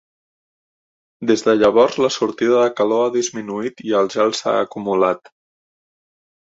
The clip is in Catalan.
Des de llavors la sortida de calor ha disminuït i el gel s'ha acumulat.